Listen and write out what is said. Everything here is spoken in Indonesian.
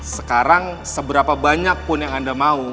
sekarang seberapa banyak pun yang anda mau